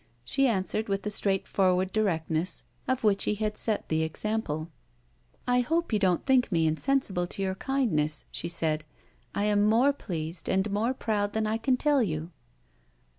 She answered with the straightforward directness of which he had set the example. "I hope you don't think me insensible to your kindness," she said. "I am more pleased and more proud than I can tell you."